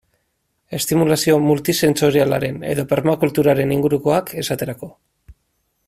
Estimulazio multisentsorialaren edo permakulturaren ingurukoak, esaterako.